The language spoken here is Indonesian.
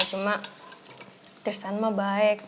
cuma tristan mah baik